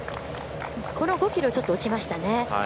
この５ｋｍちょっと落ちましたね。